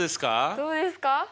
どうですか？